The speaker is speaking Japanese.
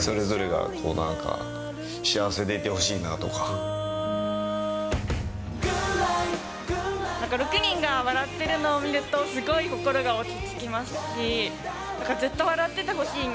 それぞれがなんか幸せでいてなんか６人が笑ってるのを見るとすごい心が落ち着きますし、ずっと笑っててほしいな。